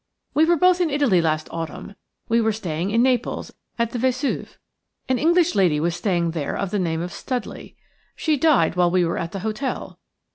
"We were both in Italy last autumn; we were staying in Naples, at the Vesuve. An English lady was staying there of the name of Studley. She died while we were at the hotel.